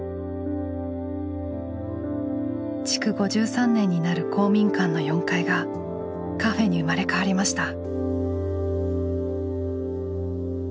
築５３年になる公民館の４階がカフェに生まれ変わりました。